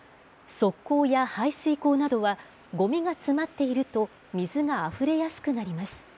側溝や排水溝などは、ごみが詰まっていると、水があふれやすくなります。